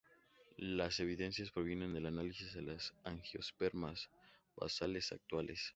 Las evidencias provienen del análisis de las "angiospermas basales" actuales.